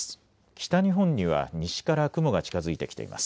北日本には西から雲が近づいてきています。